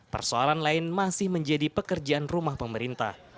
persoalan lain masih menjadi pekerjaan rumah pemerintah